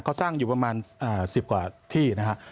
เขาสร้างอยู่ประมาณ๑๐กว่าที่นะครับ